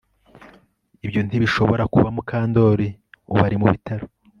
Ibyo ntibishobora kuba Mukandoli Ubu ari mu bitaro